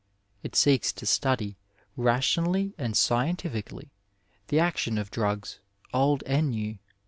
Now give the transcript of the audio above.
It seeks to study, rationally and scientifically, the action of drugs, old and new.